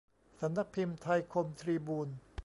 สำนักพิมพ์ไทยคมทรีบูน